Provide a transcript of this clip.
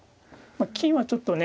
金はちょっとね